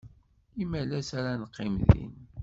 Imalas ara neqqim din.